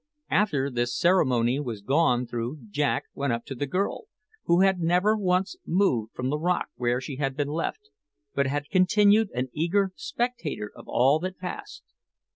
After this ceremony was gone through Jack went up to the girl, who had never once moved from the rock where she had been left, but had continued an eager spectator of all that had passed.